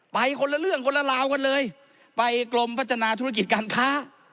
คนละเรื่องคนละราวกันเลยไปกรมพัฒนาธุรกิจการค้า